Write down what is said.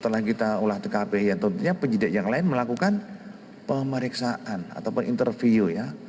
setelah kita ulah tkp tentunya penjidik yang lain melakukan pemeriksaan atau interview